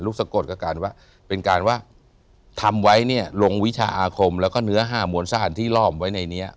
สะกดกับการว่าเป็นการว่าทำไว้เนี่ยลงวิชาอาคมแล้วก็เนื้อห้ามวลสถานที่ล่อมไว้ในนี้